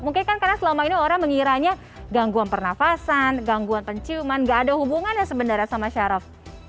mungkin kan karena selama ini orang mengiranya gangguan pernafasan gangguan penciuman tidak ada hubungan ya sebenarnya sama saraf